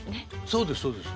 そうですそうです。